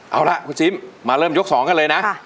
เอาล่ะคุณซิมมาเริ่มยก๒กันเลยนะ